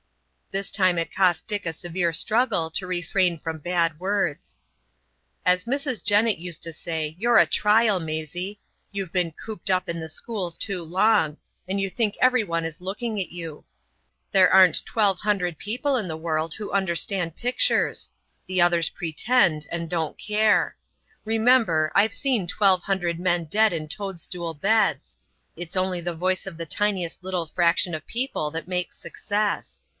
This time it cost Dick a severe struggle to refrain from bad words. "As Mrs. Jennett used to say, you're a trial, Maisie! You've been cooped up in the schools too long, and you think every one is looking at you. There aren't twelve hundred people in the world who understand pictures. The others pretend and don't care. Remember, I've seen twelve hundred men dead in toadstool beds. It's only the voice of the tiniest little fraction of people that makes success.